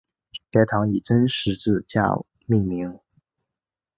该堂以真十字架命名。